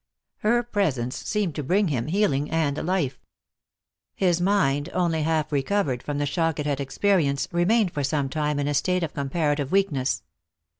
Her presence seemed to bring him healing and life. His mind, only half recovered from the shock it had 332 Lost for Love. experienced, remained for some time in a state of comparative "weakness.